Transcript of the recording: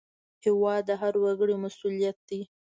هېواد د هر وګړي مسوولیت دی.